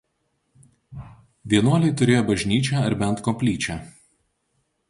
Vienuoliai turėjo bažnyčią ar bent koplyčią.